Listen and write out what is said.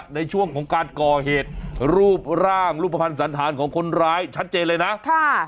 ในช่วงของการก่อเหตุรูปร่างรูปภัณฑ์สันธารของคนร้ายชัดเจนเลยนะค่ะ